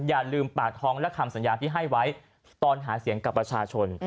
อย่าลืมปากท้องและคำสัญญาที่ให้ไว้ตอนหาเสียงกับประชาชน